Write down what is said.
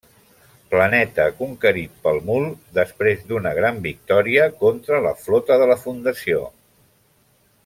Planeta conquerit pel Mul després d'una gran victòria contra la Flota de la Fundació.